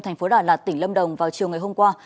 thành phố đà lạt tỉnh lâm đồng vào chiều ngày hôm qua